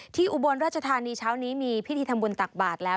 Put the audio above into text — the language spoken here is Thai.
ที่อุบลราชธานีเฉ้านี้มีพยาบาลที่ธรรมบุญตักบาดแล้ว